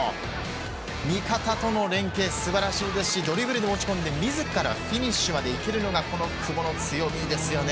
味方との連係素晴らしいですしドリブルで持ち込んで自らフィニッシュまで行けるのがこの久保の強みですよね。